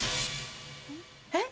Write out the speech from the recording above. えっ！